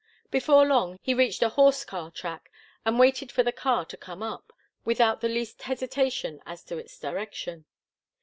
Before long he reached a horse car track and waited for the car to come up, without the least hesitation as to its direction.